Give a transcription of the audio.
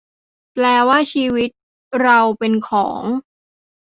แปลว่าชีวิตเราเป็นของ ?